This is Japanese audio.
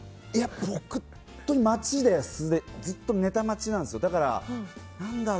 僕、ずっとネタ待ちなんですよ。